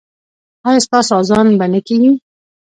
ایا ستاسو اذان به نه کیږي؟